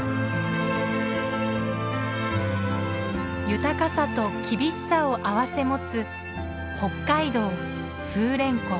豊かさと厳しさをあわせ持つ北海道風蓮湖。